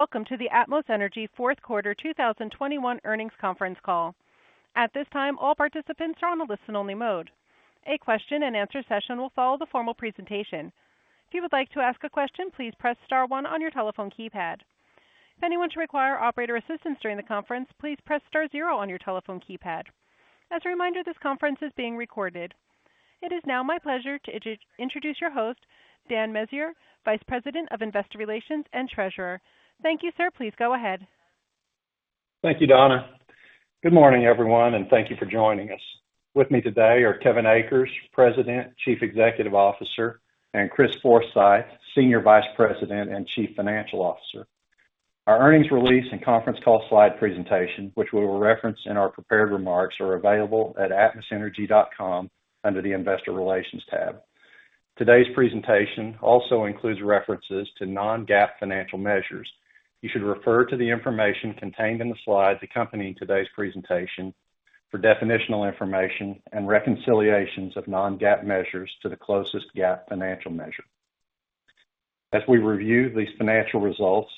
Welcome to the Atmos Energy fourth quarter 2021 earnings conference call. At this time, all participants are on a listen only mode. A question-and-answer session will follow the formal presentation. If you would like to ask a question, please press star one on your telephone keypad. If anyone should require operator assistance during the conference, please press star zero on your telephone keypad. As a reminder, this conference is being recorded. It is now my pleasure to introduce your host, Dan Meziere, Vice President of Investor Relations and Treasurer. Thank you, sir. Please go ahead. Thank you, Donna. Good morning, everyone, and thank you for joining us. With me today are Kevin Akers, President Chief Executive Officer, and Chris Forsythe, Senior Vice President and Chief Financial Officer. Our earnings release and conference call slide presentation, which we will reference in our prepared remarks, are available at atmosenergy.com under the Investor Relations tab. Today's presentation also includes references to non-GAAP financial measures. You should refer to the information contained in the slides accompanying today's presentation for definitional information and reconciliations of non-GAAP measures to the closest GAAP financial measure. As we review these financial results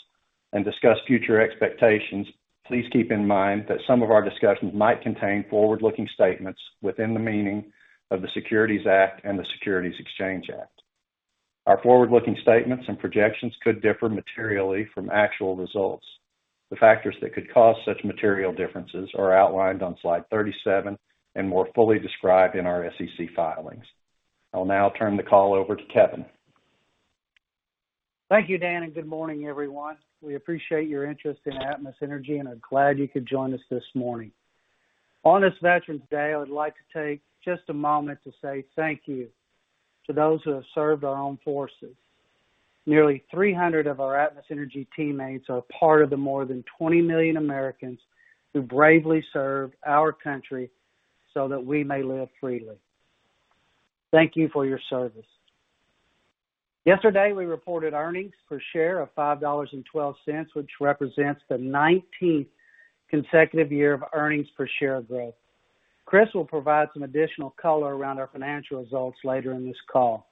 and discuss future expectations, please keep in mind that some of our discussions might contain forward-looking statements within the meaning of the Securities Act and the Securities Exchange Act. Our forward-looking statements and projections could differ materially from actual results. The factors that could cause such material differences are outlined on slide 37 and more fully described in our SEC filings. I'll now turn the call over to Kevin. Thank you, Dan, and good morning, everyone. We appreciate your interest in Atmos Energy, and I'm glad you could join us this morning. On this Veterans Day, I would like to take just a moment to say thank you to those who have served our own forces. Nearly 300 of our Atmos Energy teammates are a part of the more than 20 million Americans who bravely served our country so that we may live freely. Thank you for your service. Yesterday, we reported earnings per share of $5.12, which represents the nineteenth consecutive year of earnings per share growth. Chris will provide some additional color around our financial results later in this call.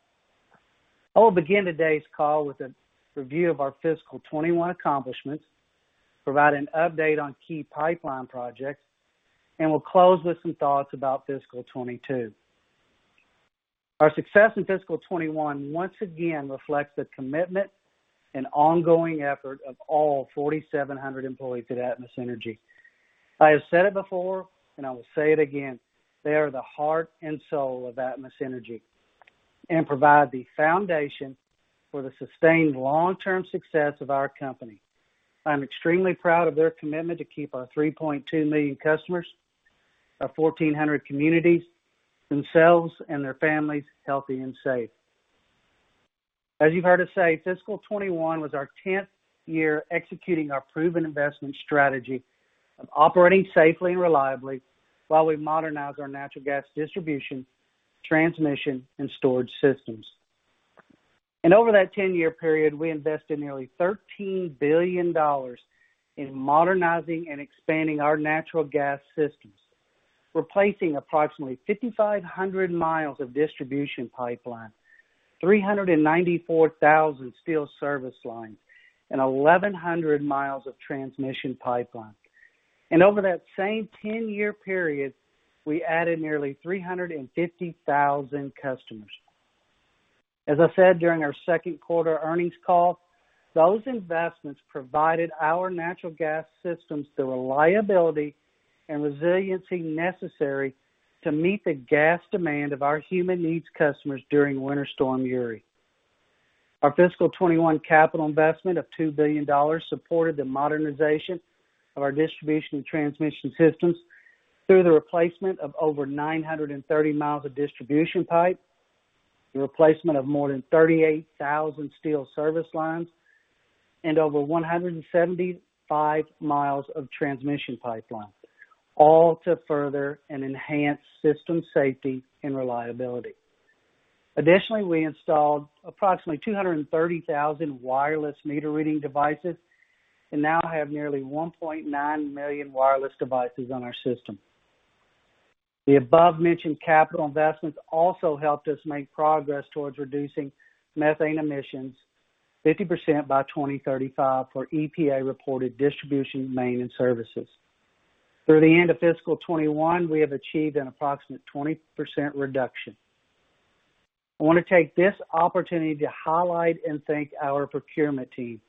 I will begin today's call with a review of our fiscal 2021 accomplishments, provide an update on key pipeline projects, and we'll close with some thoughts about fiscal 2022. Our success in fiscal 2021 once again reflects the commitment and ongoing effort of all 4,700 employees at Atmos Energy. I have said it before and I will say it again, they are the heart and soul of Atmos Energy and provide the foundation for the sustained long-term success of our company. I am extremely proud of their commitment to keep our 3.2 million customers of 1,400 communities, themselves and their families healthy and safe. As you've heard us say, fiscal 2021 was our 10th year executing our proven investment strategy of operating safely and reliably while we modernize our natural gas distribution, transmission, and storage systems. Over that 10-year period, we invested nearly $13 billion in modernizing and expanding our natural gas systems, replacing approximately 5,500 miles of distribution pipeline, 394,000 steel service lines, and 1,100 miles of transmission pipeline. Over that same 10-year period, we added nearly 350,000 customers. As I said during our second quarter earnings call, those investments provided our natural gas systems the reliability and resiliency necessary to meet the gas demand of our human needs customers during Winter Storm Uri. Our fiscal 2021 capital investment of $2 billion supported the modernization of our distribution and transmission systems through the replacement of over 930 miles of distribution pipe, the replacement of more than 38,000 steel service lines, and over 175 miles of transmission pipeline, all to further and enhance system safety and reliability. Additionally, we installed approximately 230,000 wireless meter reading devices and now have nearly 1.9 million wireless devices on our system. The above-mentioned capital investments also helped us make progress towards reducing methane emissions 50% by 2035 for EPA-reported distribution, main, and services. Through the end of fiscal 2021, we have achieved an approximate 20% reduction. I wanna take this opportunity to highlight and thank our procurement team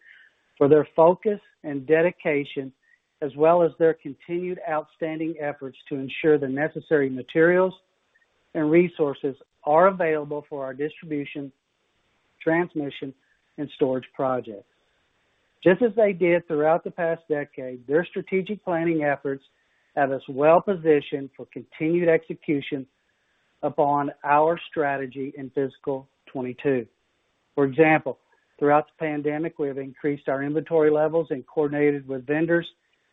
for their focus and dedication, as well as their continued outstanding efforts to ensure the necessary materials and resources are available for our distribution, transmission, and storage projects. Just as they did throughout the past decade, their strategic planning efforts have us well positioned for continued execution upon our strategy in fiscal 2022. For example, throughout the pandemic, we have increased our inventory levels and coordinated with vendors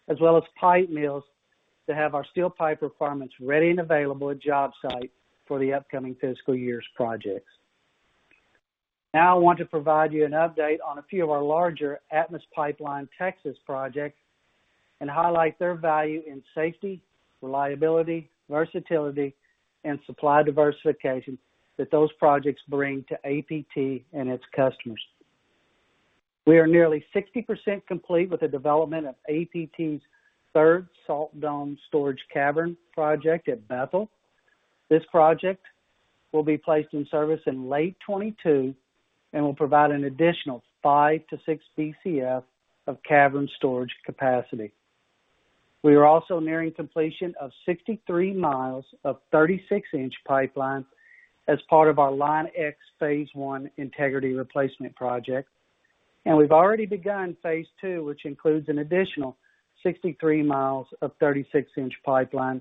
as well as pipe mills to have our steel pipe requirements ready and available at job site for the upcoming fiscal year's projects. Now, I want to provide you an update on a few of our larger Atmos Pipeline-Texas projects. Highlight their value in safety, reliability, versatility, and supply diversification that those projects bring to APT and its customers. We are nearly 60% complete with the development of APT's third salt dome storage cavern project at Bethel. This project will be placed in service in late 2022 and will provide an additional 5-6 BCF of cavern storage capacity. We are also nearing completion of 63 miles of 36-inch pipeline as part of our Line X Phase One integrity replacement project. We've already begun phase two, which includes an additional 63 miles of 36-inch pipeline,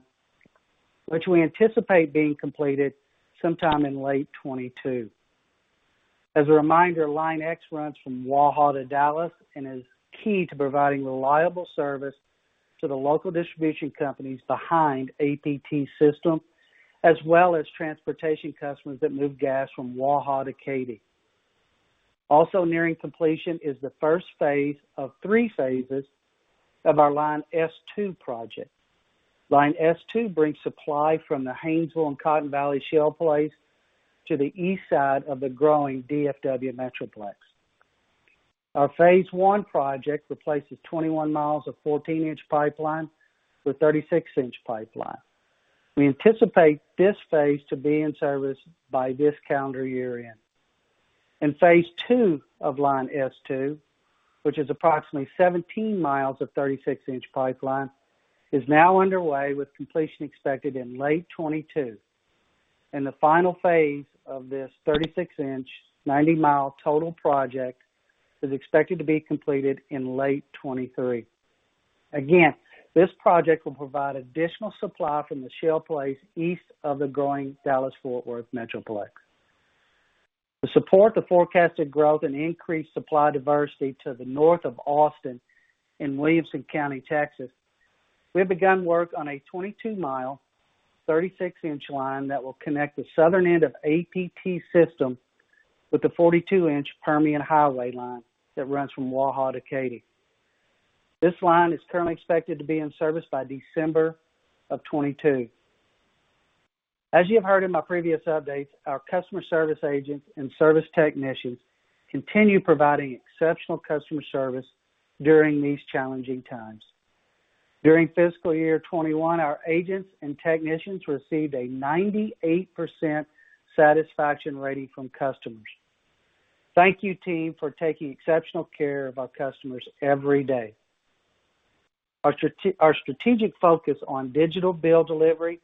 which we anticipate being completed sometime in late 2022. As a reminder, Line X runs from Waha to Dallas and is key to providing reliable service to the local distribution companies behind APT system, as well as transportation customers that move gas from Waha to Katy. Also nearing completion is the first phase of three phases of our Line S2 project. Line S2 brings supply from the Haynesville and Cotton Valley Shale plays to the east side of the growing DFW metroplex. Our phase one project replaces 21 miles of 14-inch pipeline with 36-inch pipeline. We anticipate this phase to be in service by this calendar year-end. In phase two of Line S2, which is approximately 17 miles of 36-inch pipeline, is now underway with completion expected in late 2022. The final phase of this 36-inch, 90-mile total project is expected to be completed in late 2023. Again, this project will provide additional supply from the shale plays east of the growing Dallas-Fort Worth metroplex. To support the forecasted growth and increased supply diversity to the north of Austin in Williamson County, Texas, we have begun work on a 22-mile, 36-inch line that will connect the southern end of APT system with the 42-inch Permian Highway line that runs from Waha to Katy. This line is currently expected to be in service by December of 2022. As you have heard in my previous updates, our customer service agents and service technicians continue providing exceptional customer service during these challenging times. During fiscal year 2021, our agents and technicians received a 98% satisfaction rating from customers. Thank you, team, for taking exceptional care of our customers every day. Our strategic focus on digital bill delivery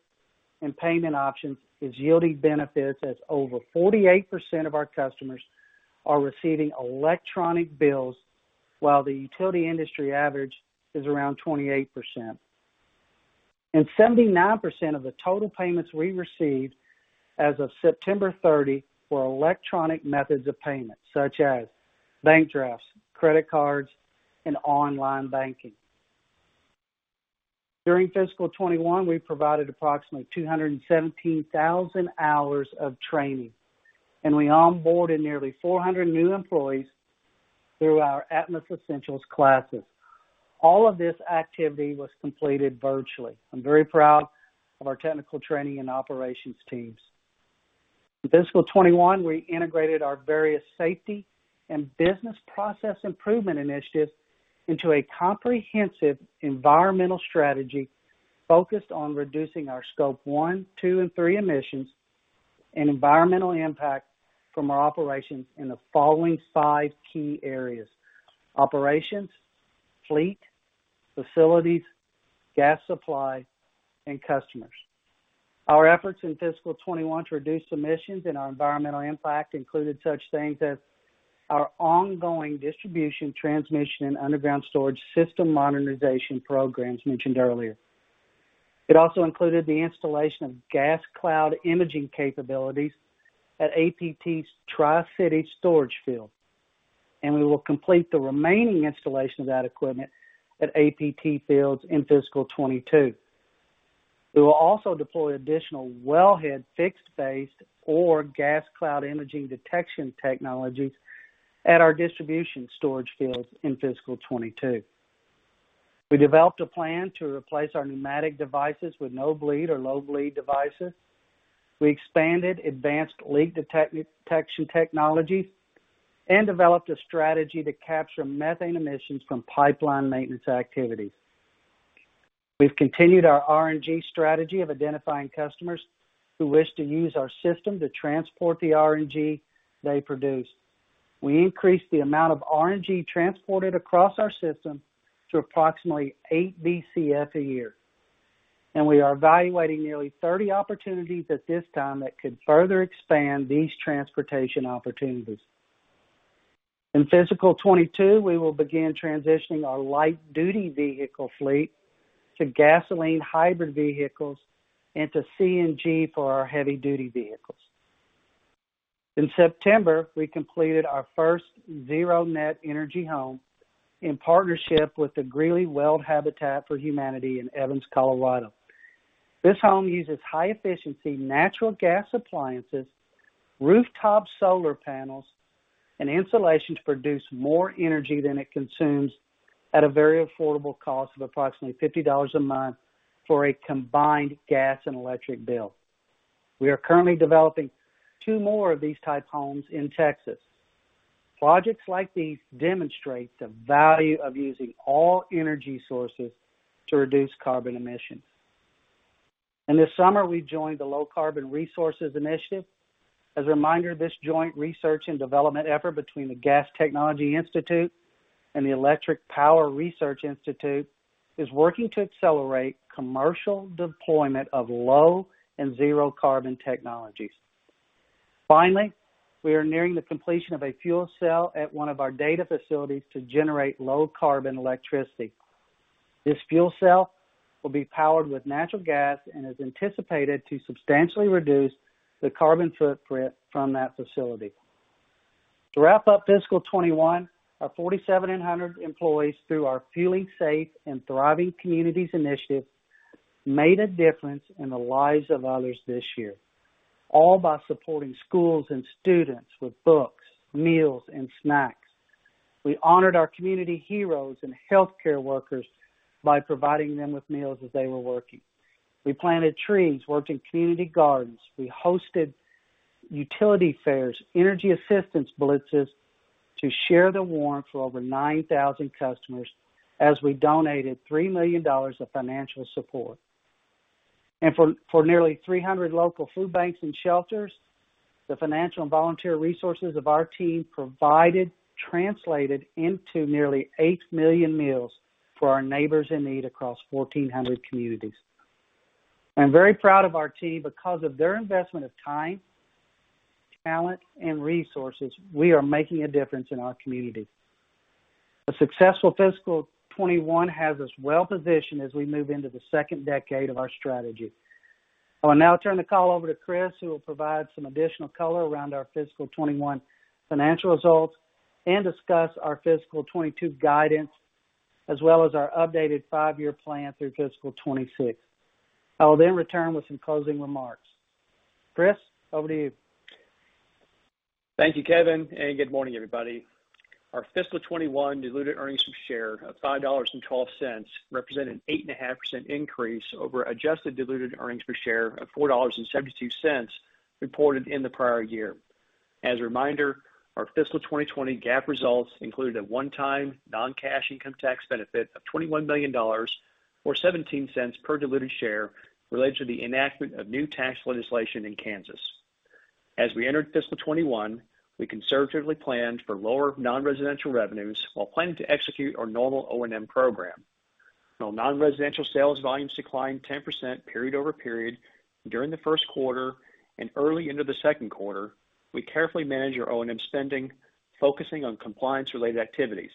and payment options is yielding benefits as over 48% of our customers are receiving electronic bills while the utility industry average is around 28%. 79% of the total payments we received as of September 30 were electronic methods of payment, such as bank drafts, credit cards, and online banking. During FY 2021, we provided approximately 217,000 hours of training, and we onboarded nearly 400 new employees through our Atmos Essentials classes. All of this activity was completed virtually. I'm very proud of our technical training and operations teams. In FY 2021, we integrated our various safety and business process improvement initiatives into a comprehensive environmental strategy focused on reducing our scope one, two, and three emissions and environmental impact from our operations in the following five key areas, operations, fleet, facilities, gas supply, and customers. Our efforts in FY 2021 to reduce emissions and our environmental impact included such things as our ongoing distribution, transmission, and underground storage system modernization programs mentioned earlier. It also included the installation of gas cloud imaging capabilities at APT's Tri-City storage field, and we will complete the remaining installation of that equipment at APT fields in fiscal 2022. We will also deploy additional wellhead fixed-based or gas cloud imaging detection technologies at our distribution storage fields in fiscal 2022. We developed a plan to replace our pneumatic devices with no-bleed or low-bleed devices. We expanded advanced leak detection technology and developed a strategy to capture methane emissions from pipeline maintenance activities. We've continued our RNG strategy of identifying customers who wish to use our system to transport the RNG they produce. We increased the amount of RNG transported across our system to approximately eight BCF a year, and we are evaluating nearly 30 opportunities at this time that could further expand these transportation opportunities. In FY 2022, we will begin transitioning our light-duty vehicle fleet to gasoline hybrid vehicles and to CNG for our heavy-duty vehicles. In September, we completed our first zero net energy home in partnership with the Greeley-Weld Habitat for Humanity in Evans, Colorado. This home uses high-efficiency natural gas appliances, rooftop solar panels, and insulation to produce more energy than it consumes at a very affordable cost of approximately $50 a month for a combined gas and electric bill. We are currently developing two more of these type homes in Texas. Projects like these demonstrate the value of using all energy sources to reduce carbon emissions. In the summer, we joined the Low-Carbon Resources Initiative. As a reminder, this joint research and development effort between the Gas Technology Institute and the Electric Power Research Institute is working to accelerate commercial deployment of low and zero-carbon technologies. Finally, we are nearing the completion of a fuel cell at one of our data facilities to generate low-carbon electricity. This fuel cell will be powered with natural gas and is anticipated to substantially reduce the carbon footprint from that facility. To wrap up fiscal 2021, our 4,700 employees, through our Fueling Safe and Thriving Communities Initiative, made a difference in the lives of others this year, all by supporting schools and students with books, meals, and snacks. We honored our community heroes and healthcare workers by providing them with meals as they were working. We planted trees, worked in community gardens. We hosted utility fairs, energy assistance blitzes to share the warmth for over 9,000 customers as we donated $3 million of financial support. Nearly 300 local food banks and shelters, the financial and volunteer resources of our team provided translated into nearly 8 million meals for our neighbors in need across 1,400 communities. I'm very proud of our team. Because of their investment of time, talent, and resources, we are making a difference in our community. A successful fiscal 2021 has us well-positioned as we move into the second decade of our strategy. I will now turn the call over to Chris, who will provide some additional color around our fiscal 2021 financial results and discuss our fiscal 2022 guidance, as well as our updated five-year plan through fiscal 2026. I will then return with some closing remarks. Chris, over to you. Thank you, Kevin, and good morning, everybody. Our fiscal 2021 diluted earnings per share of $5.12 represent an 8.5% increase over adjusted diluted earnings per share of $4.72 reported in the prior year. As a reminder, our fiscal 2022 GAAP results included a one-time non-cash income tax benefit of $21 million, or $0.17 per diluted share, related to the enactment of new tax legislation in Kansas. As we entered fiscal 2021, we conservatively planned for lower non-residential revenues while planning to execute our normal O&M program. While non-residential sales volumes declined 10% period-over-period during the first quarter and early into the second quarter, we carefully managed our O&M spending, focusing on compliance-related activities.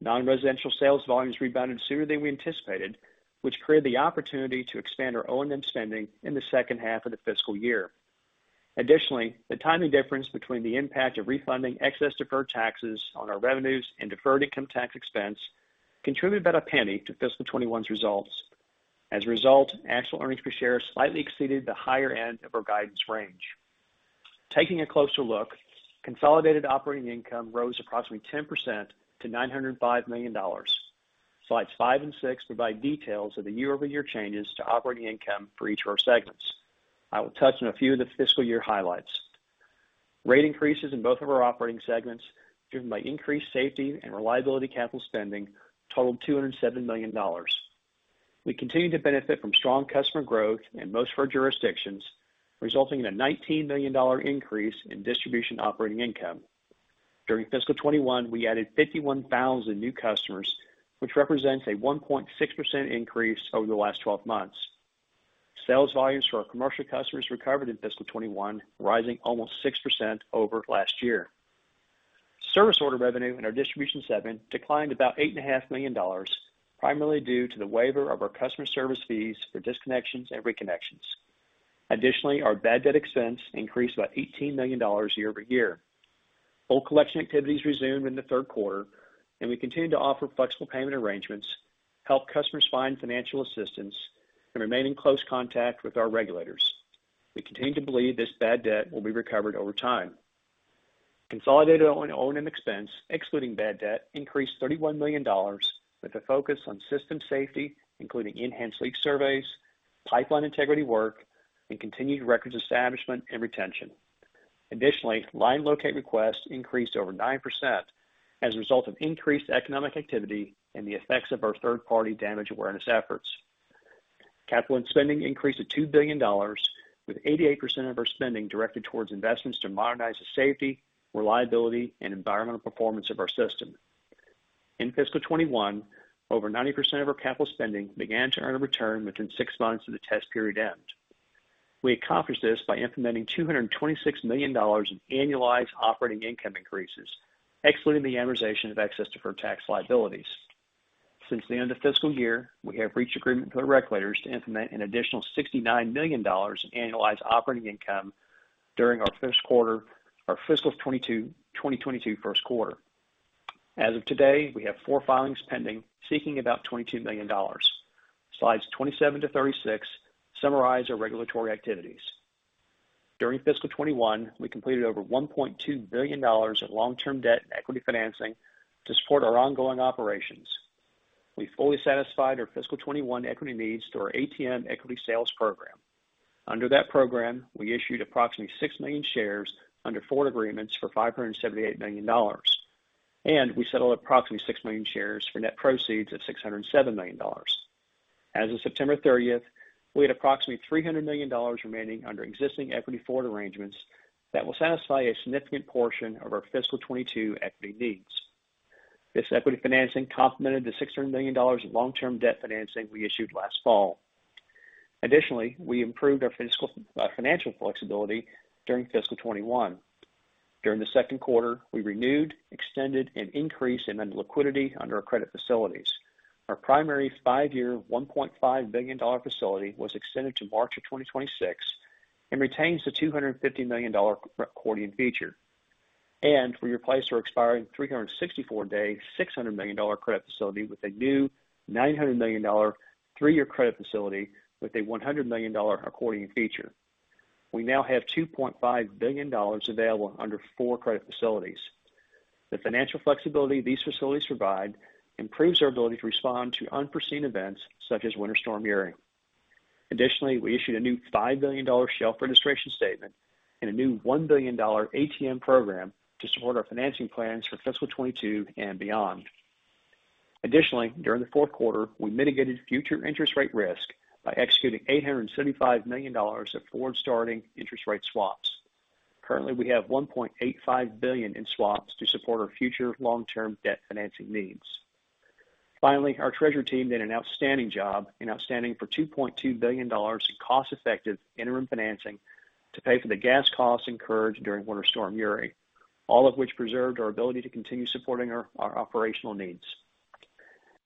Non-residential sales volumes rebounded sooner than we anticipated, which created the opportunity to expand our O&M spending in the second half of the fiscal year. Additionally, the timing difference between the impact of refunding excess deferred taxes on our revenues and deferred income tax expense contributed about a penny to fiscal 2021's results. As a result, actual earnings per share slightly exceeded the higher end of our guidance range. Taking a closer look, consolidated operating income rose approximately 10% to $905 million. Slides five and six provide details of the year-over-year changes to operating income for each of our segments. I will touch on a few of the fiscal year highlights. Rate increases in both of our operating segments, driven by increased safety and reliability capital spending, totaled $207 million. We continue to benefit from strong customer growth in most of our jurisdictions, resulting in a $19 million increase in distribution operating income. During fiscal 2021, we added 51,000 new customers, which represents a 1.6% increase over the last twelve months. Sales volumes for our commercial customers recovered in fiscal 2021, rising almost 6% over last year. Service order revenue in our distribution segment declined about $8.5 million, primarily due to the waiver of our customer service fees for disconnections and reconnections. Additionally, our bad debt expense increased about $18 million year-over-year. Full collection activities resumed in the third quarter, and we continue to offer flexible payment arrangements, help customers find financial assistance, and remain in close contact with our regulators. We continue to believe this bad debt will be recovered over time. Consolidated O&M expense, excluding bad debt, increased $31 million with a focus on system safety, including enhanced leak surveys, pipeline integrity work, and continued records establishment and retention. Additionally, line locate requests increased over 9% as a result of increased economic activity and the effects of our third-party damage awareness efforts. Capital and spending increased to $2 billion, with 88% of our spending directed towards investments to modernize the safety, reliability, and environmental performance of our system. In fiscal 2021, over 90% of our capital spending began to earn a return within 6 months of the test period end. We accomplished this by implementing $226 million in annualized operating income increases, excluding the amortization of excess deferred tax liabilities. Since the end of fiscal year, we have reached agreement with our regulators to implement an additional $69 million in annualized operating income during our first quarter of fiscal 2022 first quarter. As of today, we have four filings pending, seeking about $22 million. Slides 27-36 summarize our regulatory activities. During fiscal 2021, we completed over $1.2 billion of long-term debt and equity financing to support our ongoing operations. We fully satisfied our fiscal 2021 equity needs through our ATM equity sales program. Under that program, we issued approximately six million shares under forward agreements for $578 million, and we settled approximately 6 million shares for net proceeds of $607 million. As of September 30, we had approximately $300 million remaining under existing equity forward arrangements that will satisfy a significant portion of our fiscal 2022 equity needs. This equity financing complemented the $600 million of long-term debt financing we issued last fall. Additionally, we improved our financial flexibility during fiscal 2021. During the second quarter, we renewed, extended, and increased liquidity under our credit facilities. Our primary five-year, $1.5 billion facility was extended to March 2026 and retains the $250 million accordion feature. We replaced our expiring 364-day, $600 million credit facility with a new $900 million three-year credit facility with a $100 million accordion feature. We now have $2.5 billion available under four credit facilities. The financial flexibility these facilities provide improves our ability to respond to unforeseen events such as Winter Storm Uri. We issued a new $5 billion shelf registration statement and a new $1 billion ATM program to support our financing plans for fiscal 2022 and beyond. During the fourth quarter, we mitigated future interest rate risk by executing $875 million of forward-starting interest rate swaps. Currently, we have $1.85 billion in swaps to support our future long-term debt financing needs. Finally, our Treasury team did an outstanding job obtaining $2.2 billion in cost-effective interim financing to pay for the gas costs incurred during Winter Storm Uri, all of which preserved our ability to continue supporting our operational needs.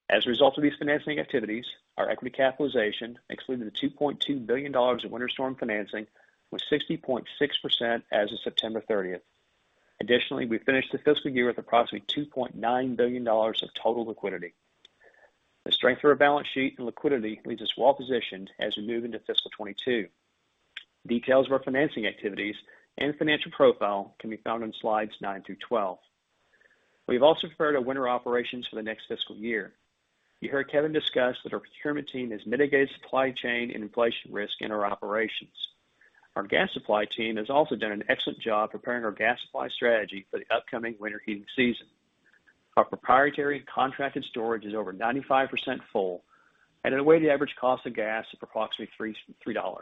As a result of these financing activities, our equity capitalization, excluding the $2.2 billion in winter storm financing, was 60.6% as of September 30. Additionally, we finished the fiscal year with approximately $2.9 billion of total liquidity. The strength of our balance sheet and liquidity leaves us well positioned as we move into fiscal 2022. Details of our financing activities and financial profile can be found on slides 9 through 12. We have also prepared our winter operations for the next fiscal year. You heard Kevin discuss that our procurement team has mitigated supply chain and inflation risk in our operations. Our gas supply team has also done an excellent job preparing our gas supply strategy for the upcoming winter heating season. Our proprietary contracted storage is over 95% full and at a weighted average cost of gas of approximately $3.3.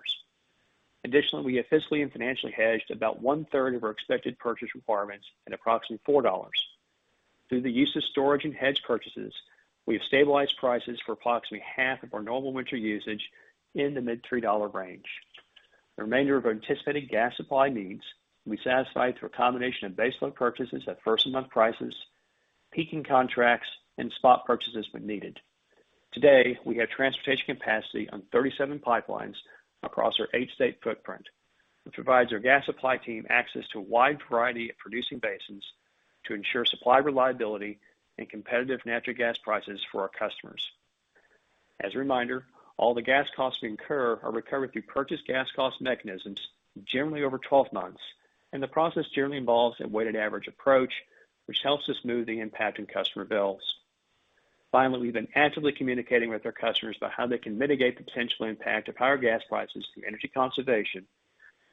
Additionally, we have fiscally and financially hedged about one-third of our expected purchase requirements at approximately $4. Through the use of storage and hedge purchases, we have stabilized prices for approximately half of our normal winter usage in the mid-$3 range. The remainder of our anticipated gas supply needs will be satisfied through a combination of baseload purchases at first-month prices, peaking contracts, and spot purchases when needed. Today, we have transportation capacity on 37 pipelines across our eight-state footprint, which provides our gas supply team access to a wide variety of producing basins to ensure supply reliability and competitive natural gas prices for our customers. As a reminder, all the gas costs we incur are recovered through purchased gas cost mechanisms generally over 12 months, and the process generally involves a weighted average approach, which helps us smooth the impact on customer bills. Finally, we've been actively communicating with our customers about how they can mitigate the potential impact of higher gas prices through energy conservation,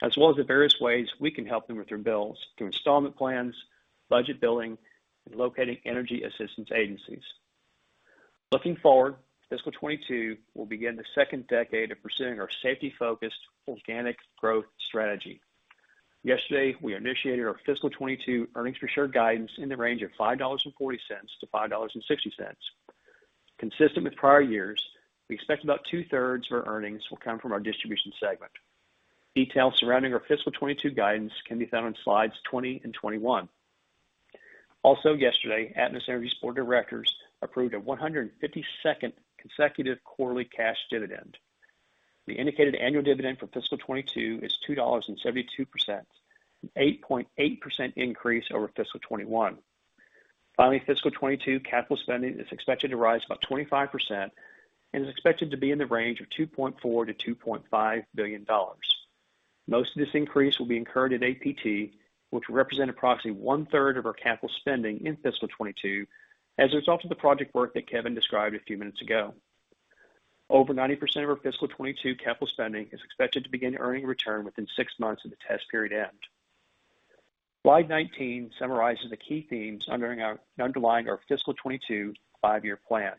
as well as the various ways we can help them with their bills through installment plans, budget billing, and locating energy assistance agencies. Looking forward, fiscal 2022 will begin the second decade of pursuing our safety-focused organic growth strategy. Yesterday, we initiated our fiscal 2022 earnings per share guidance in the range of $5.40-$5.60. Consistent with prior years, we expect about two-thirds of our earnings will come from our Distribution segment. Details surrounding our fiscal 2022 guidance can be found on slides 20 and 21. Yesterday, Atmos Energy's board of directors approved a 152nd consecutive quarterly cash dividend. The indicated annual dividend for fiscal 2022 is $2.72, an 8.8% increase over fiscal 2021. Fiscal 2022 capital spending is expected to rise about 25% and is expected to be in the range of $2.4 billion-$2.5 billion. Most of this increase will be incurred at APT, which will represent approximately one-third of our capital spending in fiscal 2022 as a result of the project work that Kevin described a few minutes ago. Over 90% of our fiscal 2022 capital spending is expected to begin earning a return within 6 months of the test period end. Slide 19 summarizes the key themes underlying our fiscal 2022 five-year plan.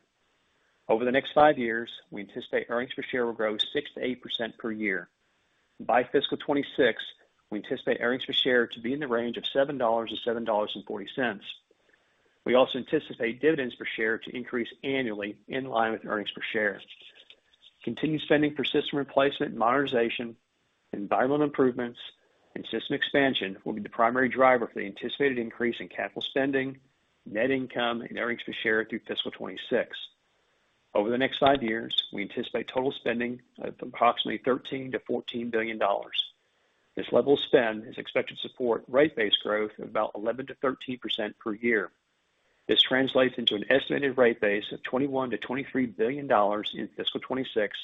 Over the next 5 years, we anticipate earnings per share will grow 6%-8% per year. By fiscal 2026, we anticipate earnings per share to be in the range of $7-$7.40. We also anticipate dividends per share to increase annually in line with earnings per share. Continued spending for system replacement, modernization, environmental improvements, and system expansion will be the primary driver for the anticipated increase in capital spending, net income, and earnings per share through fiscal 2026. Over the next 5 years, we anticipate total spending of approximately $13 billion-$14 billion. This level of spend is expected to support rate-based growth of about 11%-13% per year. This translates into an estimated rate base of $21 billion-$23 billion in fiscal 2026,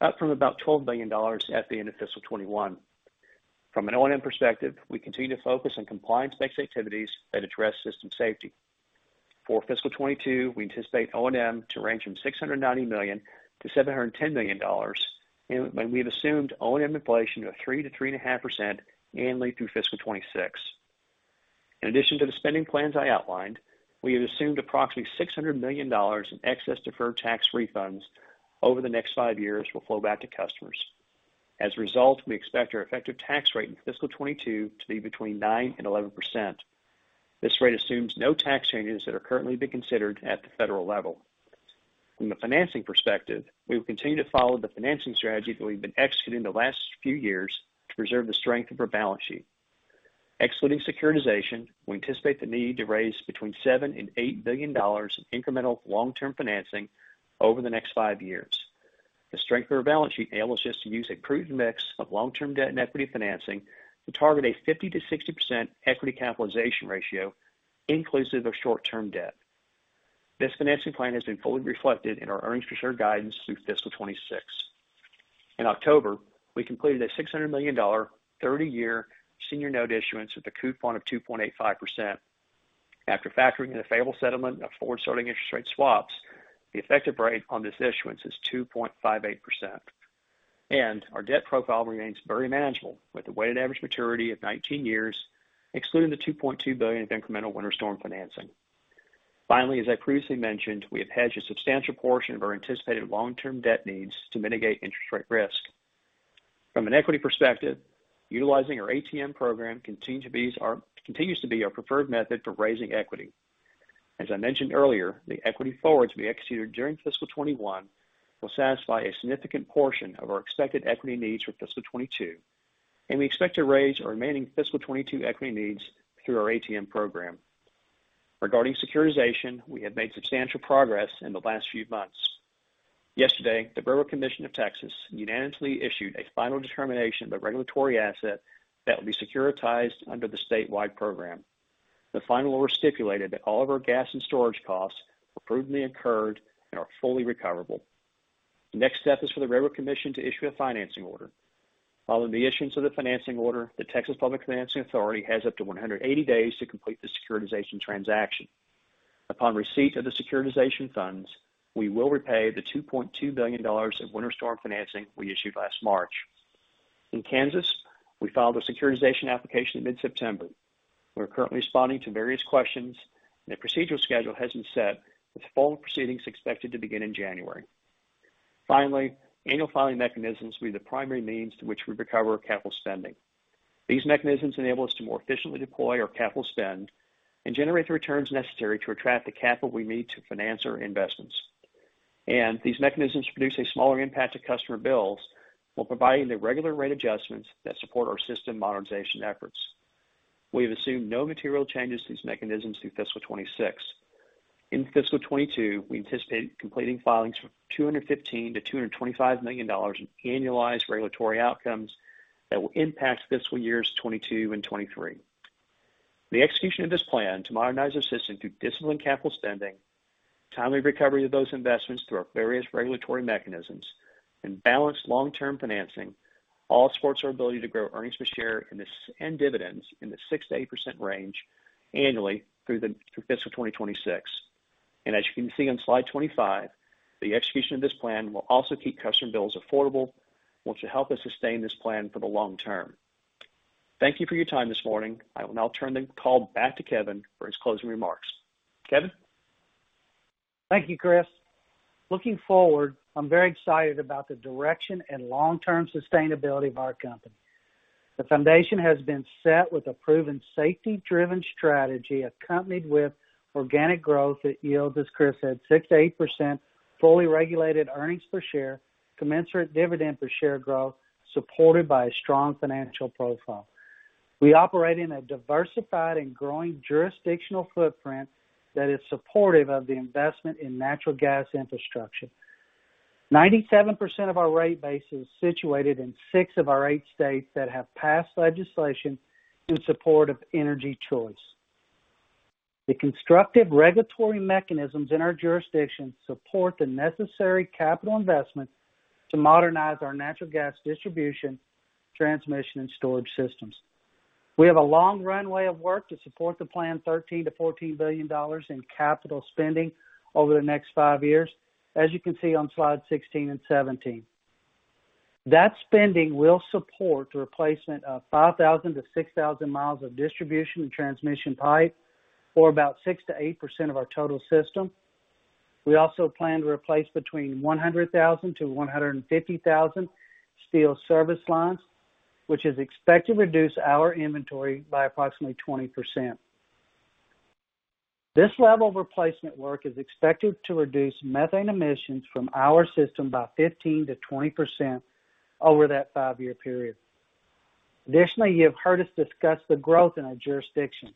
up from about $12 billion at the end of fiscal 2021. From an O&M perspective, we continue to focus on compliance-based activities that address system safety. For fiscal 2022, we anticipate O&M to range from $690 million-$710 million, and we have assumed O&M inflation of 3-3.5% annually through fiscal 2026. In addition to the spending plans I outlined, we have assumed approximately $600 million in excess deferred tax refunds over the next five years will flow back to customers. As a result, we expect our effective tax rate in fiscal 2022 to be between 9%-11%. This rate assumes no tax changes that are currently being considered at the federal level. From the financing perspective, we will continue to follow the financing strategy that we've been executing the last few years to preserve the strength of our balance sheet. Excluding securitization, we anticipate the need to raise between $7 billion and $8 billion of incremental long-term financing over the next five years. The strength of our balance sheet enables us to use a prudent mix of long-term debt and equity financing to target a 50%-60% equity capitalization ratio inclusive of short-term debt. This financing plan has been fully reflected in our earnings per share guidance through fiscal 2026. In October, we completed a $600 million 30-year senior note issuance with a coupon of 2.85%. After factoring in the favorable settlement of forward starting interest rate swaps, the effective rate on this issuance is 2.58%. Our debt profile remains very manageable with a weighted average maturity of 19 years, excluding the $2.2 billion of incremental winter storm financing. Finally, as I previously mentioned, we have hedged a substantial portion of our anticipated long-term debt needs to mitigate interest rate risk. From an equity perspective, utilizing our ATM program continues to be our preferred method for raising equity. As I mentioned earlier, the equity forwards we executed during fiscal 2021 will satisfy a significant portion of our expected equity needs for fiscal 2022, and we expect to raise our remaining fiscal 2022 equity needs through our ATM program. Regarding securitization, we have made substantial progress in the last few months. Yesterday, the Railroad Commission of Texas unanimously issued a final determination of the regulatory asset that will be securitized under the statewide program. The final order stipulated that all of our gas and storage costs were prudently incurred and are fully recoverable. The next step is for the Railroad Commission to issue a financing order. Following the issuance of the financing order, the Texas Public Finance Authority has up to 180 days to complete the securitization transaction. Upon receipt of the securitization funds, we will repay the $2.2 billion of winter storm financing we issued last March. In Kansas, we filed a securitization application in mid-September. We're currently responding to various questions, and a procedural schedule hasn't been set, with formal proceedings expected to begin in January. Finally, annual filing mechanisms will be the primary means to which we recover our capital spending. These mechanisms enable us to more efficiently deploy our capital spend and generate the returns necessary to attract the capital we need to finance our investments. These mechanisms produce a smaller impact to customer bills while providing the regular rate adjustments that support our system modernization efforts. We have assumed no material changes to these mechanisms through fiscal 2026. In fiscal 2022, we anticipate completing filings for $215 million-$225 million in annualized regulatory outcomes that will impact fiscal years 2022 and 2023. The execution of this plan to modernize our system through disciplined capital spending, timely recovery of those investments through our various regulatory mechanisms, and balanced long-term financing all supports our ability to grow earnings per share and dividends in the 6%-8% range annually through fiscal 2026. As you can see on slide 25, the execution of this plan will also keep customer bills affordable, which will help us sustain this plan for the long term. Thank you for your time this morning. I will now turn the call back to Kevin for his closing remarks. Kevin? Thank you, Chris. Looking forward, I'm very excited about the direction and long-term sustainability of our company. The foundation has been set with a proven safety-driven strategy accompanied with organic growth that yields, as Chris said, 6%-8% fully regulated earnings per share, commensurate dividend per share growth, supported by a strong financial profile. We operate in a diversified and growing jurisdictional footprint that is supportive of the investment in natural gas infrastructure. 97% of our rate base is situated in six of our eight states that have passed legislation in support of energy choice. The constructive regulatory mechanisms in our jurisdiction support the necessary capital investment to modernize our natural gas distribution, transmission, and storage systems. We have a long runway of work to support the planned $13 billion-$14 billion in capital spending over the next five years, as you can see on slide 16 and 17. That spending will support the replacement of 5,000-6,000 miles of distribution and transmission pipe, or about 6%-8% of our total system. We also plan to replace between 100,000-150,000 steel service lines, which is expected to reduce our inventory by approximately 20%. This level of replacement work is expected to reduce methane emissions from our system by 15%-20% over that five-year period. Additionally, you have heard us discuss the growth in our jurisdiction.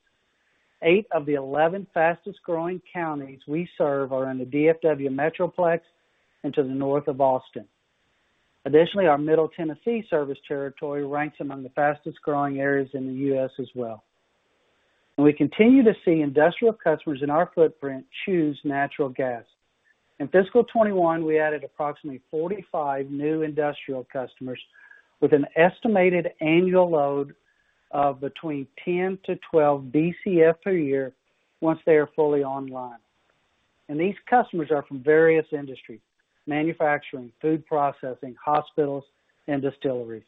Eight of the 11 fastest-growing counties we serve are in the DFW Metroplex and to the north of Austin. Additionally, our Middle Tennessee service territory ranks among the fastest-growing areas in the U.S. as well. We continue to see industrial customers in our footprint choose natural gas. In fiscal 2021, we added approximately 45 new industrial customers with an estimated annual load of between 10-12 Bcf per year once they are fully online. These customers are from various industries, manufacturing, food processing, hospitals, and distilleries.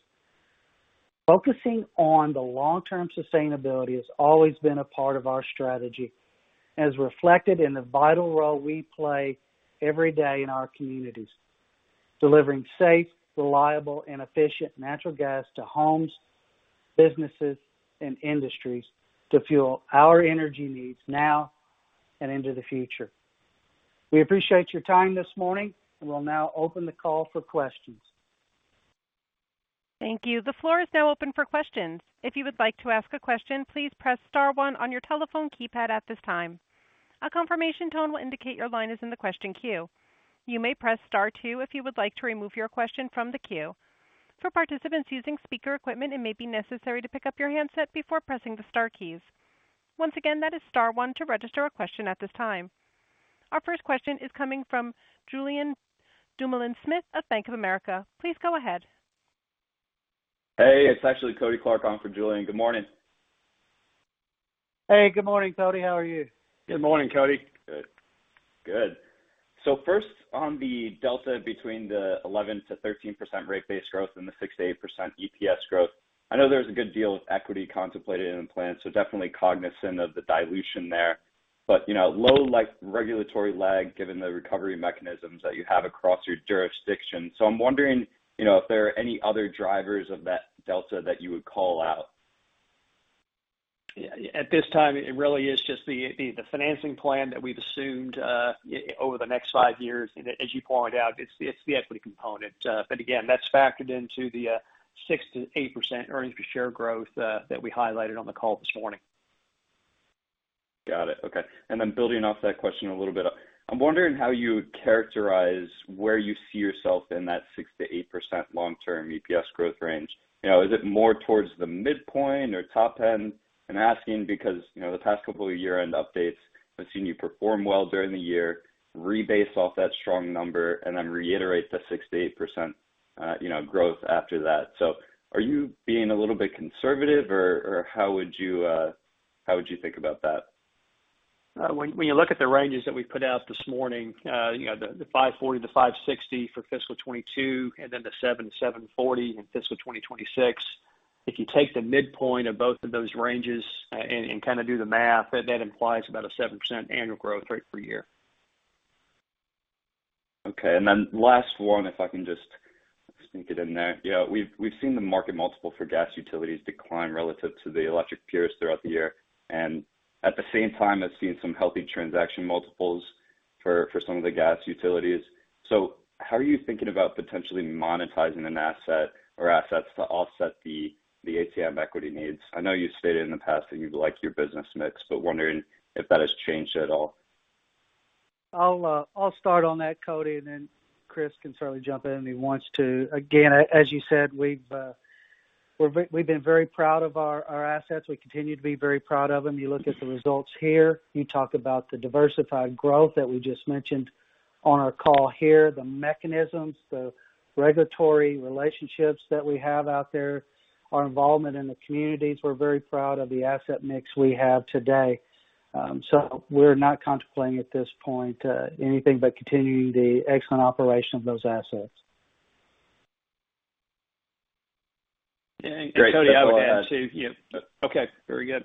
Focusing on the long-term sustainability has always been a part of our strategy, as reflected in the vital role we play every day in our communities, delivering safe, reliable, and efficient natural gas to homes, businesses, and industries to fuel our energy needs now and into the future. We appreciate your time this morning, and we'll now open the call for questions. Thank you. The floor is now open for questions. If you would like to ask a question, please press star one on your telephone keypad at this time. A confirmation tone will indicate your line is in the question queue. You may press star two if you would like to remove your question from the queue. For participants using speaker equipment, it may be necessary to pick up your handset before pressing the star keys. Once again, that is star one to register a question at this time. Our first question is coming from Julien Dumoulin-Smith of Bank of America. Please go ahead. Hey, it's actually Cody Clark on for Julien. Good morning. Hey, good morning, Cody. How are you? Good morning, Cody. Good. First on the delta between the 11%-13% rate base growth and the 6%-8% EPS growth, I know there's a good deal of equity contemplated in the plan, so definitely cognizant of the dilution there. You know, low, like regulatory lag, given the recovery mechanisms that you have across your jurisdiction. I'm wondering, you know, if there are any other drivers of that delta that you would call out. At this time, it really is just the financing plan that we've assumed over the next five years. As you point out, it's the equity component. Again, that's factored into the 6%-8% earnings per share growth that we highlighted on the call this morning. Got it. Okay. Building off that question a little bit. I'm wondering how you characterize where you see yourself in that 6%-8% long-term EPS growth range. You know, is it more towards the midpoint or top end? I'm asking because, you know, the past couple of year-end updates have seen you perform well during the year, rebase off that strong number, and then reiterate the 6%-8%, you know, growth after that. Are you being a little bit conservative or how would you, how would you think about that? When you look at the ranges that we put out this morning, you know, the $5.40-$5.60 for fiscal 2022 and then the $7-$7.40 in fiscal 2026, if you take the midpoint of both of those ranges and kind of do the math, that implies about a 7% annual growth rate per year. Okay. Last one, if I can just sneak it in there. Yeah, we've seen the market multiple for gas utilities decline relative to the electric peers throughout the year. At the same time, I've seen some healthy transaction multiples for some of the gas utilities. How are you thinking about potentially monetizing an asset or assets to offset the ATM equity needs? I know you've stated in the past that you like your business mix, but wondering if that has changed at all. I'll start on that, Cody, and then Chris can certainly jump in if he wants to. Again, as you said, we've been very proud of our assets. We continue to be very proud of them. You look at the results here, you talk about the diversified growth that we just mentioned on our call here, the mechanisms, the regulatory relationships that we have out there, our involvement in the communities. We're very proud of the asset mix we have today. We're not contemplating at this point anything but continuing the excellent operation of those assets. Cody, I would add to you. Great. Okay, very good.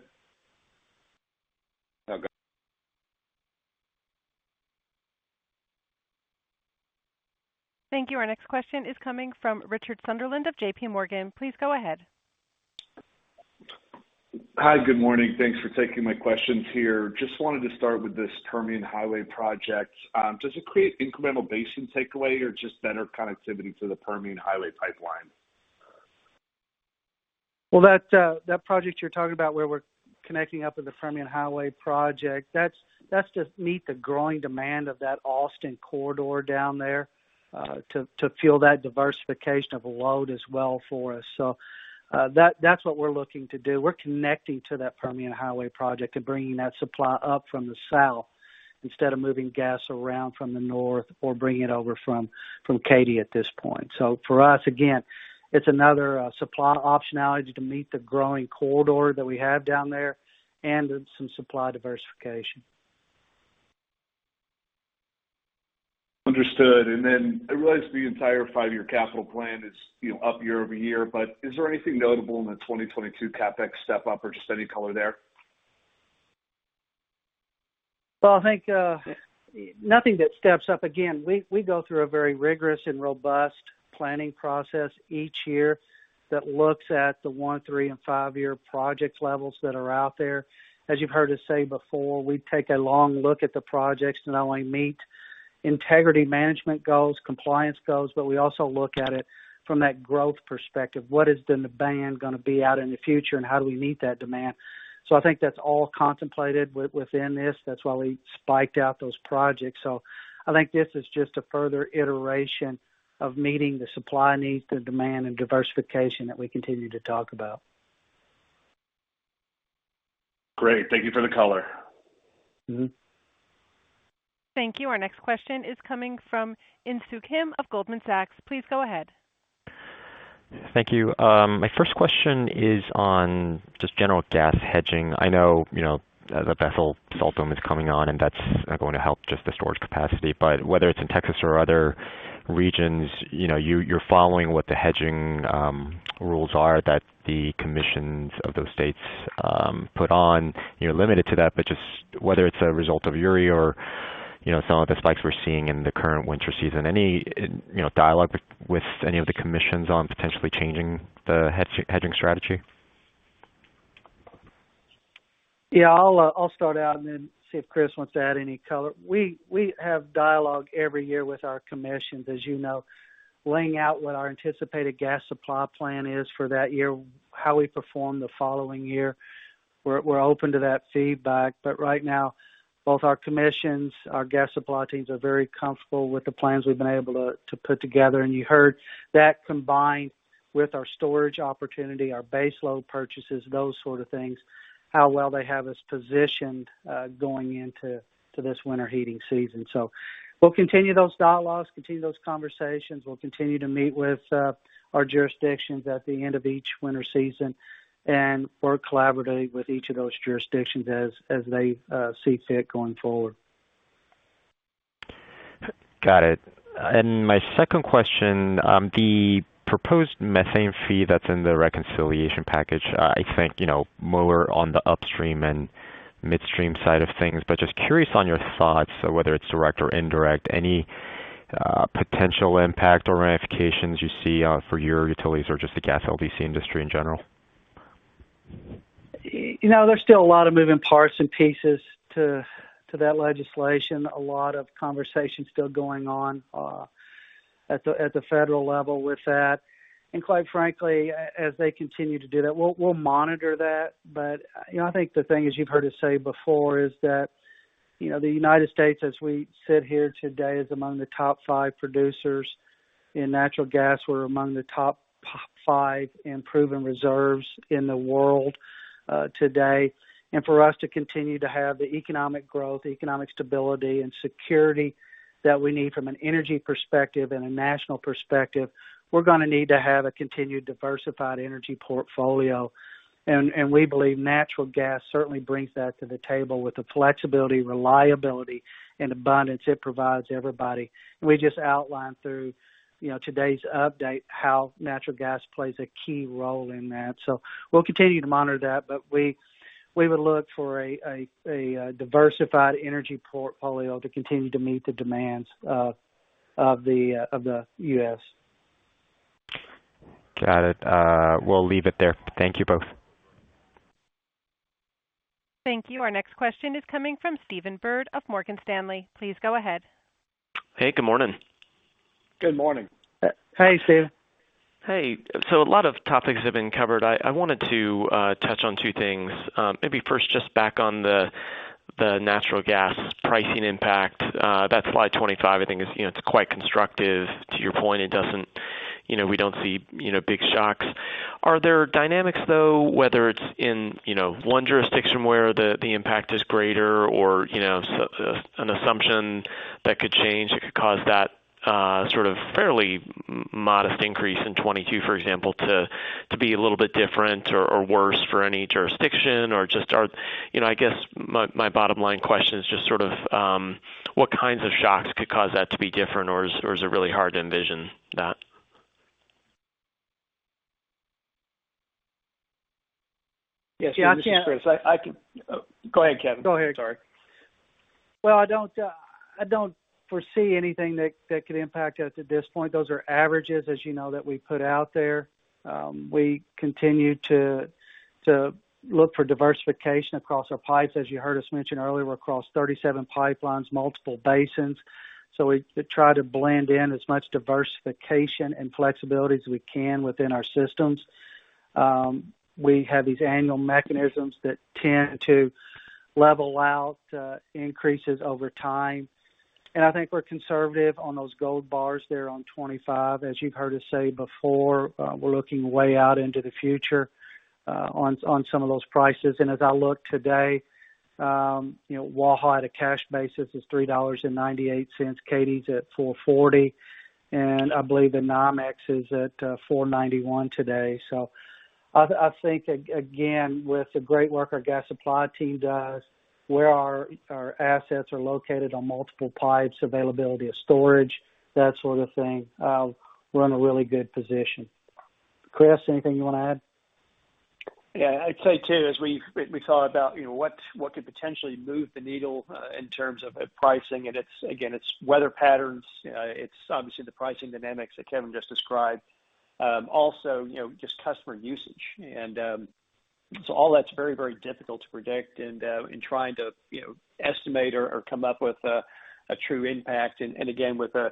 Okay. Thank you. Our next question is coming from Richard Sunderland of JPMorgan. Please go ahead. Hi, good morning. Thanks for taking my questions here. Just wanted to start with this Permian Highway project. Does it create incremental basin takeaway or just better connectivity to the Permian Highway pipeline? Well, that project you're talking about where we're connecting up with the Permian Highway project, that's to meet the growing demand of that Austin corridor down there, to fuel that diversification of a load as well for us. That's what we're looking to do. We're connecting to that Permian Highway project and bringing that supply up from the south instead of moving gas around from the north or bringing it over from Katy at this point. For us, again, it's another supply optionality to meet the growing corridor that we have down there and some supply diversification. Understood. I realize the entire five-year capital plan is, you know, up year over year, but is there anything notable in the 2022 CapEx step-up or just any color there? Well, I think nothing that steps up. Again, we go through a very rigorous and robust planning process each year that looks at the 1-, 3-, and 5-year project levels that are out there. As you've heard us say before, we take a long look at the projects to not only meet integrity management goals, compliance goals, but we also look at it from that growth perspective. What is the demand gonna be out in the future and how do we meet that demand? I think that's all contemplated within this. That's why we spiked out those projects. I think this is just a further iteration of meeting the supply needs, the demand and diversification that we continue to talk about. Great. Thank you for the color. Mm-hmm. Thank you. Our next question is coming from Insoo Kim of Goldman Sachs. Please go ahead. Thank you. My first question is on just general gas hedging. I know, you know, the Bethel salt dome is coming on, and that's going to help just the storage capacity. But whether it's in Texas or other regions, you know, you're following what the hedging rules are that the commissions of those states put on, you're limited to that. But just whether it's a result of Uri or, you know, some of the spikes we're seeing in the current winter season, any, you know, dialogue with any of the commissions on potentially changing the hedging strategy? Yeah, I'll start out and then see if Chris wants to add any color. We have dialogue every year with our commissions, as you know, laying out what our anticipated gas supply plan is for that year, how we perform the following year. We're open to that feedback. Right now, both our commissions, our gas supply teams are very comfortable with the plans we've been able to put together. You heard that combined with our storage opportunity, our baseload purchases, those sort of things, how well they have us positioned, going into this winter heating season. We'll continue those dialogues, continue those conversations. We'll continue to meet with our jurisdictions at the end of each winter season and work collaboratively with each of those jurisdictions as they see fit going forward. Got it. My second question, the proposed methane fee that's in the reconciliation package, I think, you know, more on the upstream and midstream side of things, but just curious on your thoughts whether it's direct or indirect, any potential impact or ramifications you see for your utilities or just the gas LDC industry in general? You know, there's still a lot of moving parts and pieces to that legislation. A lot of conversation still going on at the federal level with that. Quite frankly, as they continue to do that, we'll monitor that. You know, I think the thing is, you've heard us say before, is that, you know, the United States, as we sit here today, is among the top five producers in natural gas. We're among the top five in proven reserves in the world today. For us to continue to have the economic growth, economic stability and security that we need from an energy perspective and a national perspective, we're gonna need to have a continued diversified energy portfolio. We believe natural gas certainly brings that to the table with the flexibility, reliability and abundance it provides everybody. We just outlined through, you know, today's update how natural gas plays a key role in that. We'll continue to monitor that, but we would look for a diversified energy portfolio to continue to meet the demands of the U.S. Got it. We'll leave it there. Thank you both. Thank you. Our next question is coming from Stephen Byrd of Morgan Stanley. Please go ahead. Hey, good morning. Good morning. Hey, Stephen. Hey. alot of topics have been covered. I wanted to touch on two things. Maybe first, just back on the natural gas pricing impact. That slide 25, I think is, you know, it's quite constructive. To your point, it doesn't, you know, we don't see, you know, big shocks. Are there dynamics, though, whether it's in, you know, one jurisdiction where the impact is greater or, you know, an assumption that could change, it could cause that sort of fairly modest increase in 2022, for example, to be a little bit different or worse for any jurisdiction? Or just, you know, I guess my bottom line question is just sort of what kinds of shocks could cause that to be different, or is it really hard to envision that? Yes. This is Chris. I can. Go ahead, Kevin. Go ahead. Sorry. Well, I don't foresee anything that could impact us at this point. Those are averages, as you know, that we put out there. We continue to look for diversification across our pipes. As you heard us mention earlier, we're across 37 pipelines, multiple basins, so we try to blend in as much diversification and flexibility as we can within our systems. We have these annual mechanisms that tend to level out increases over time. I think we're conservative on those gold bars there on 25. As you've heard us say before, we're looking way out into the future on some of those prices. As I look today, you know, Waha at a cash basis is $3.98. Katy's at $4.40, and I believe the NYMEX is at $4.91 today. I think again, with the great work our gas supply team does, where our assets are located on multiple pipes, availability of storage, that sort of thing, we're in a really good position. Chris, anything you wanna add? Yeah. I'd say too, as we thought about, you know, what could potentially move the needle in terms of pricing. It's again weather patterns. It's obviously the pricing dynamics that Kevin just described. Also, you know, just customer usage. All that's very, very difficult to predict and in trying to, you know, estimate or come up with a true impact. Again, with an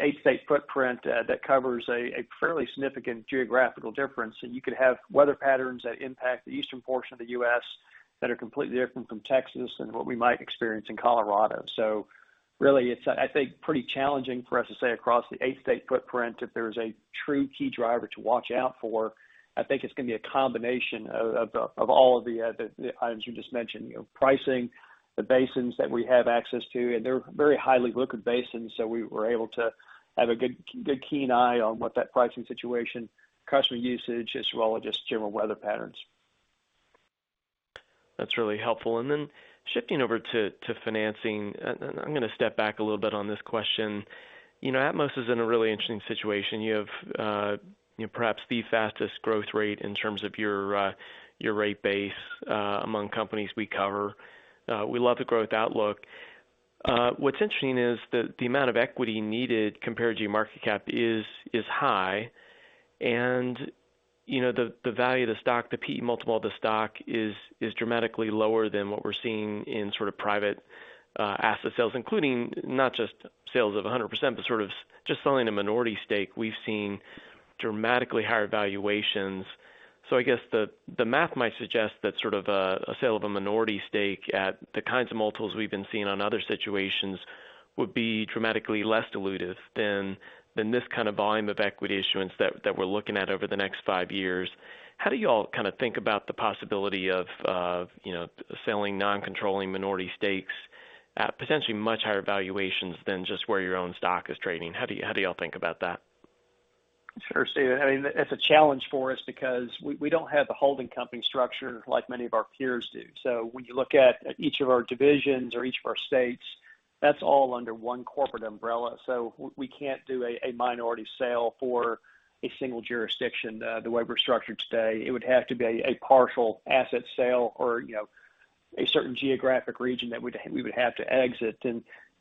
eight-state footprint that covers a fairly significant geographical difference, and you could have weather patterns that impact the eastern portion of the U.S. that are completely different from Texas and what we might experience in Colorado. Really, it's, I think, pretty challenging for us to say across the eight-state footprint if there's a true key driver to watch out for. I think it's gonna be a combination of all of the items you just mentioned, you know, pricing, the basins that we have access to, and they're very highly liquid basins, so we were able to have a good keen eye on what that pricing situation, customer usage, as well as just general weather patterns. That's really helpful. Shifting over to financing, I'm gonna step back a little bit on this question. You know, Atmos is in a really interesting situation. You have, you know, perhaps the fastest growth rate in terms of your rate base among companies we cover. We love the growth outlook. What's interesting is the amount of equity needed compared to your market cap is high. You know, the value of the stock, the PE multiple of the stock is dramatically lower than what we're seeing in sort of private asset sales, including not just sales of 100%, but sort of just selling a minority stake. We've seen dramatically higher valuations. I guess the math might suggest that sort of a sale of a minority stake at the kinds of multiples we've been seeing on other situations would be dramatically less dilutive than this kind of volume of equity issuance that we're looking at over the next five years. How do you all kind of think about the possibility of you know, selling non-controlling minority stakes at potentially much higher valuations than just where your own stock is trading? How do you all think about that? Sure, Stephen. I mean, it's a challenge for us because we don't have the holding company structure like many of our peers do. When you look at each of our divisions or each of our states, that's all under one corporate umbrella. We can't do a minority sale for a single jurisdiction the way we're structured today. It would have to be a partial asset sale or, you know, a certain geographic region that we would have to exit.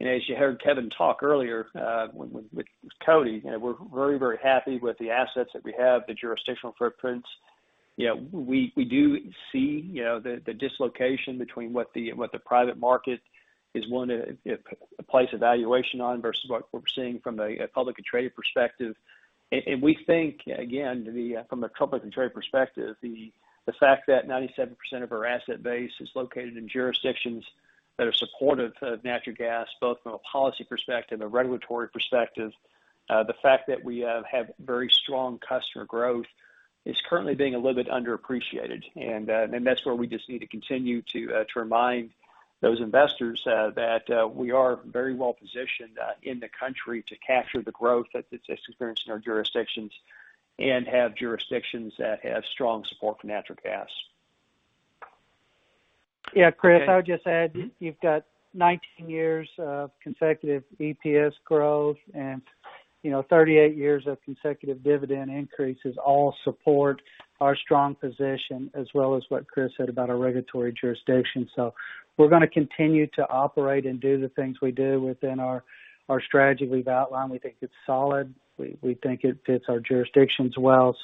As you heard Kevin talk earlier with Cody, you know, we're very, very happy with the assets that we have, the jurisdictional footprints. You know, we do see, you know, the dislocation between what the private market is willing to place a valuation on versus what we're seeing from a public and trade perspective. And we think, again, from a public and trade perspective, the fact that 97% of our asset base is located in jurisdictions that are supportive of natural gas, both from a policy perspective, a regulatory perspective, the fact that we have very strong customer growth is currently being a little bit underappreciated. And that's where we just need to continue to remind those investors that we are very well positioned in the country to capture the growth that's experienced in our jurisdictions and have jurisdictions that have strong support for natural gas. Yeah, Chris, I would just add, you've got 19 years of consecutive EPS growth and, you know, 38 years of consecutive dividend increases all support our strong position, as well as what Chris said about our regulatory jurisdiction. We're gonna continue to operate and do the things we do within our strategy we've outlined. We think it's solid. We think it fits our jurisdictions well.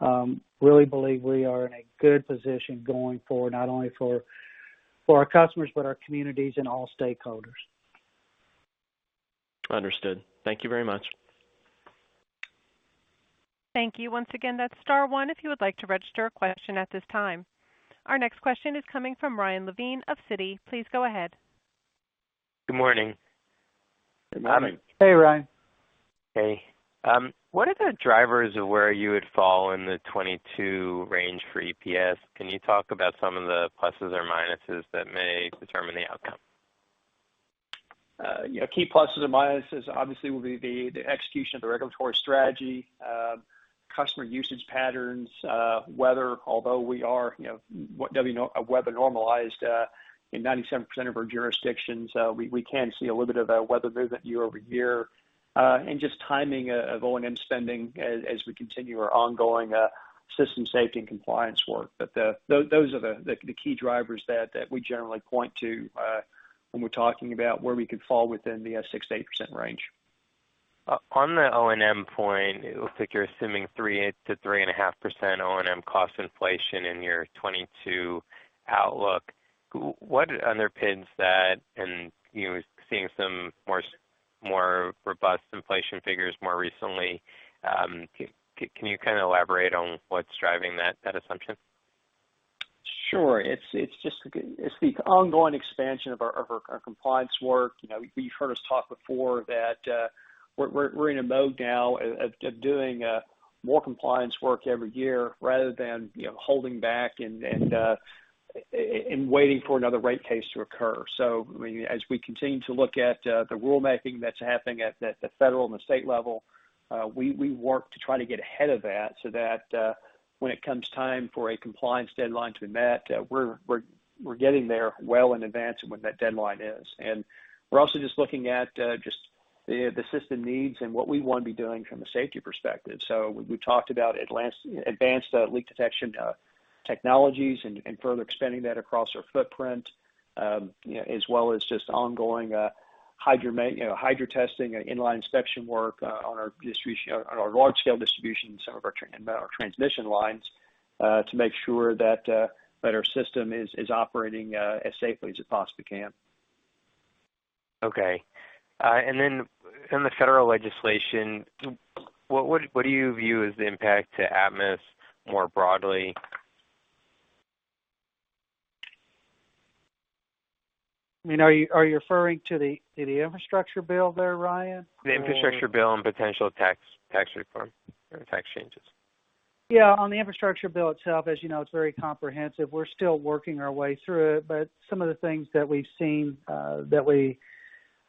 I really believe we are in a good position going forward, not only for our customers, but our communities and all stakeholders. Understood. Thank you very much. Thank you. Once again, that's star one if you would like to register a question at this time. Our next question is coming from Ryan Levine of Citi. Please go ahead. Good morning. Good morning. Hey, Ryan. Hey. What are the drivers of where you would fall in the 22 range for EPS? Can you talk about some of the pluses or minuses that may determine the outcome? You know, key pluses or minuses obviously will be the execution of the regulatory strategy, customer usage patterns, weather, although we are, you know, weather normalized in 97% of our jurisdictions. We can see a little bit of weather movement year-over-year, and just timing of O&M spending as we continue our ongoing system safety and compliance work. Those are the key drivers that we generally point to when we're talking about where we could fall within the 6%-8% range. On the O&M point, it looks like you're assuming 3%-3.5% O&M cost inflation in your 2022 outlook. What underpins that? You know, seeing some more robust inflation figures more recently, can you kind of elaborate on what's driving that assumption? Sure. It's just the ongoing expansion of our compliance work. You know, you've heard us talk before that, we're in a mode now of doing more compliance work every year rather than, you know, holding back and waiting for another rate case to occur. I mean, as we continue to look at the rulemaking that's happening at the federal and the state level, we work to try to get ahead of that so that, when it comes time for a compliance deadline to be met, we're getting there well in advance of when that deadline is. We're also just looking at the system needs and what we want to be doing from a safety perspective. We talked about advanced leak detection technologies and further extending that across our footprint, you know, as well as just ongoing, You know, hydro testing and inline inspection work on our distribution, on our large scale distribution and some of our transmission lines to make sure that our system is operating as safely as it possibly can. In the federal legislation, what do you view as the impact to Atmos more broadly? I mean, are you referring to the infrastructure bill there, Ryan? The infrastructure bill and potential tax reform or tax changes. Yeah. On the infrastructure bill itself, as you know, it's very comprehensive. We're still working our way through it, but some of the things that we've seen that we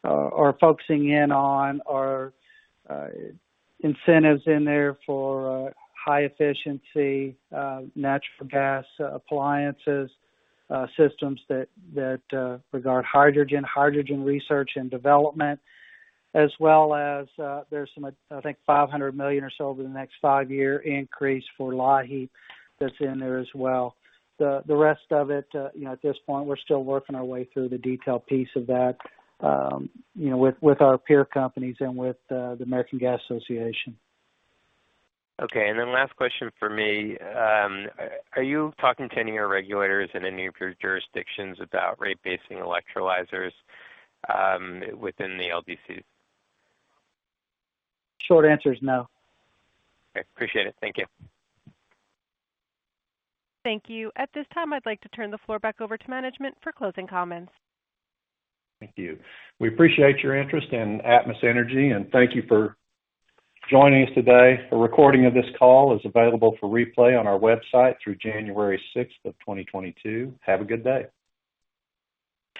are focusing in on are incentives in there for high efficiency natural gas appliances systems that regard hydrogen research and development, as well as there's some, I think, $500 million or so over the next five-year increase for LIHEAP that's in there as well. The rest of it, you know, at this point, we're still working our way through the detailed piece of that, you know, with our peer companies and with the American Gas Association. Okay. Last question for me. Are you talking to any of your regulators in any of your jurisdictions about rate-basing electrolyzers within the LDCs? Short answer is no. Okay. Appreciate it. Thank you. Thank you. At this time, I'd like to turn the floor back over to management for closing comments. Thank you. We appreciate your interest in Atmos Energy, and thank you for joining us today. A recording of this call is available for replay on our website through January 6th, 2022. Have a good day.